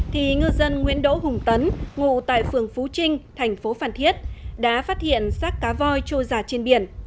thì ngư dân nguyễn đỗ hùng tấn ngụ tại phường phú trinh thành phố phan thiết đã phát hiện sát cá voi trôi giả trên biển